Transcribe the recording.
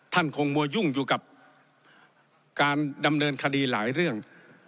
คงมัวยุ่งอยู่กับการดำเนินคดีหลายเรื่อง